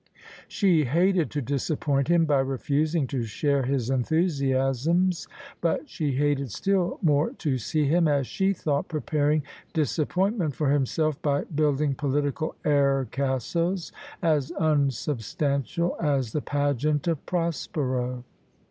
She hated to disappoint him by refusing to share his enthusiasms : but she hated still more to see him, as she thought, preparing disappointment for himself by build ing political air castles as unsubstantial as the pageant of Prospero.